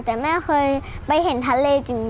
แต่แม่เคยไปเห็นทะเลจริง